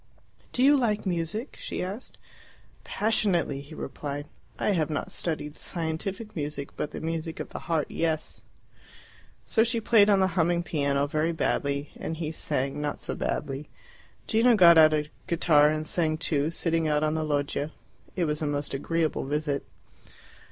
"Do you like music?" she asked. "Passionately," he replied. "I have not studied scientific music, but the music of the heart, yes." So she played on the humming piano very badly, and he sang, not so badly. Gino got out a guitar and sang too, sitting out on the loggia. It was a most agreeable visit.